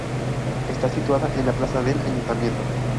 Está situada en la plaza del Ayuntamiento.